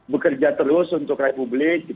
bekerja terus untuk republik